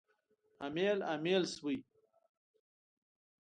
امیل، امیل شوی